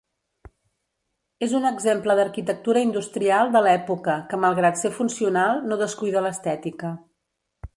És un exemple d'arquitectura industrial de l'època que malgrat ser funcional no descuida l'estètica.